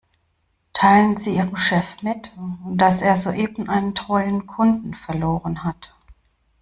Teilen Sie Ihrem Chef mit, dass er soeben einen treuen Kunden verloren hat.